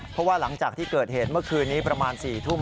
เพราะว่าหลังจากที่เกิดเหตุเมื่อคืนนี้ประมาณ๔ทุ่ม